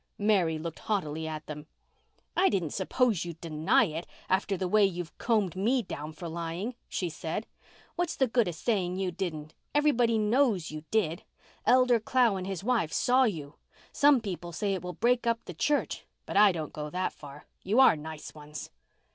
Mary looked haughtily at them. "I didn't suppose you'd deny it, after the way you've combed me down for lying," she said. "What's the good of saying you didn't? Everybody knows you did. Elder Clow and his wife saw you. Some people say it will break up the church, but I don't go that far. You are nice ones."